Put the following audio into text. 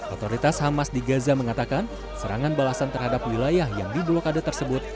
otoritas hamas di gaza mengatakan serangan balasan terhadap wilayah yang di blokade tersebut